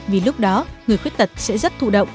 vì lúc đó người khuyết tật sẽ rất thủ động